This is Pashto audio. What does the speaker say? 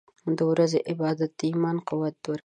• د ورځې عبادت د ایمان قوت ورکوي.